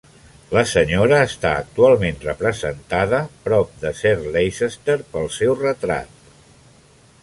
La senyora està actualment representada, prop de Sir Leicester, pel seu retrat.